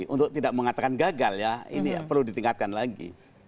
untuk tidak mengatakan gagal ya ini perlu ditingkatkan lagi